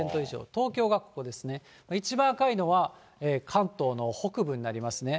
東京がここですね、一番赤いのは関東の北部になりますね。